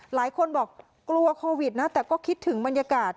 หลายคนบอกกลัวโควิดนะแต่ก็คิดถึงบรรยากาศ